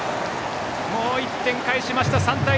もう１点返しました、３対２。